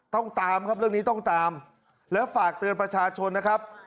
ตามครับเรื่องนี้ต้องตามแล้วฝากเตือนประชาชนนะครับ